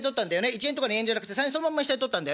１円とか２円じゃなくて３円そのまんま下に取ったんだよね。